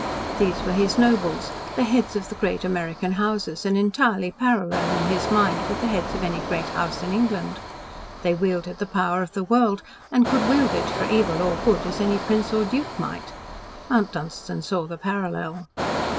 These were his nobles the heads of the great American houses, and entirely parallel, in his mind, with the heads of any great house in England. They wielded the power of the world, and could wield it for evil or good, as any prince or duke might. Mount Dunstan saw the parallel.